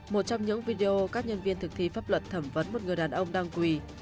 một trong những video các nhân viên thực thi pháp luật thẩm vấn một người đàn ông đang quỳ